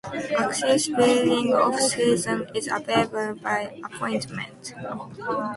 Access during the off-season is available by appointment.